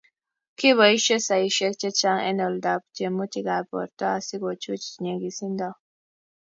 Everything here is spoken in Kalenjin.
kiboisie saisiek che chang Eng' oldab tyemutikab borto asiku chuchuch nyegisinto